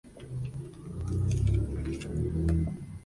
T como el entrenador de un grupo de gimnastas.